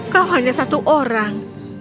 kau hanya satu orang